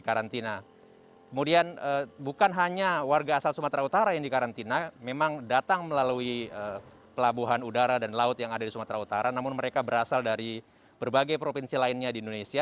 kemudian bukan hanya warga asal sumatera utara yang dikarantina memang datang melalui pelabuhan udara dan laut yang ada di sumatera utara namun mereka berasal dari berbagai provinsi lainnya di indonesia